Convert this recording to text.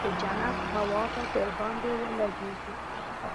د جنت هوا به درباندې ولګېګي.